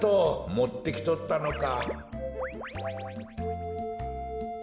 もってきとったのか。